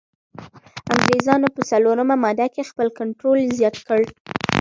انګریزانو په څلورمه ماده کي خپل کنټرول زیات کړ.